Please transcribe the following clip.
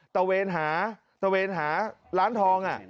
ตะเวนหาตะเวนหาร้านทอง